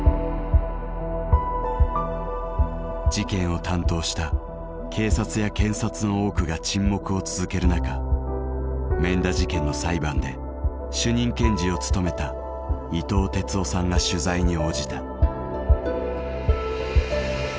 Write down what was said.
事件を担当した警察や検察の多くが沈黙を続ける中免田事件の裁判で主任検事を務めた伊藤鉄男さんが取材に応じた。